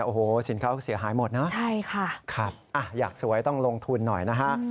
โอ้โฮสินค้าเสียหายหมดนะค่ะอยากสวยต้องลงทุนหน่อยนะ